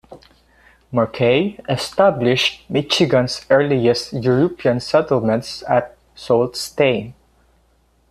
Marquette established Michigan's earliest European settlements at Sault Ste.